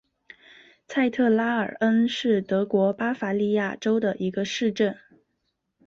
蔡特拉尔恩是德国巴伐利亚州的一个市镇。